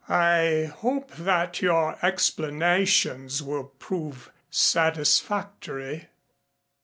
"I hope that your explanations will prove satisfactory."